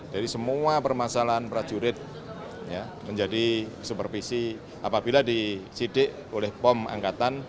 jadi semua permasalahan prajurit menjadi supervisi apabila disidik oleh pom angkatan